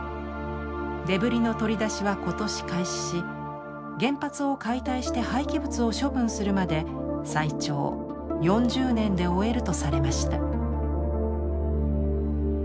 デブリの取り出しは今年開始し原発を解体して廃棄物を処分するまで最長４０年で終えるとされました。